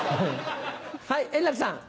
はい円楽さん。